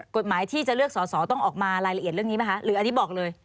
กฎหมายที่จะเลือกสอสอต้องออกมารายละเอียดเรื่องนี้ไหมคะหรืออันนี้บอกเลย